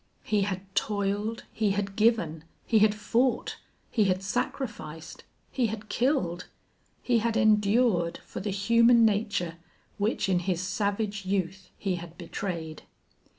He had toiled, he had given, he had fought, he had sacrificed, he had killed, he had endured for the human nature which in his savage youth he had betrayed.